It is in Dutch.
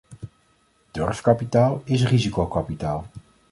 Durfkapitaal is risicokapitaal.